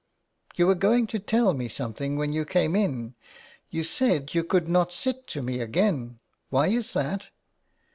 " You were going to tell me something when you came in. You said you could not sit to me again. Why is that?"